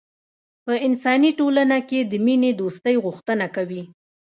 په انساني ټولنه کې د مینې دوستۍ غوښتنه کوي.